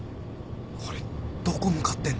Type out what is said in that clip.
これどこ向かってんの？